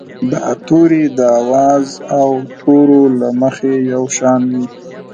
دا توري د آواز او تورو له مخې یو شان وي.